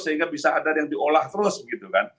sehingga bisa ada yang diolah terus gitu kan